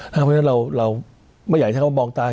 เพราะฉะนั้นเราไม่อยากให้เขามองตา